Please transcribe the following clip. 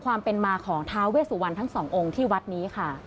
ความเป็นมาของท้าเวสุวรรณทั้งสององค์ที่วัดนี้ค่ะ